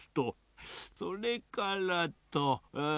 それからとえぇ。